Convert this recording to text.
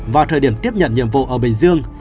vào thời điểm tiếp nhận nhiệm vụ ở bình dương